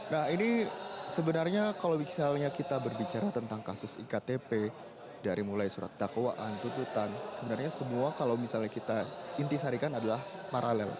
nah ini sebenarnya kalau misalnya kita berbicara tentang kasus iktp dari mulai surat dakwaan tututan sebenarnya semua kalau misalnya kita intisarikan adalah paralel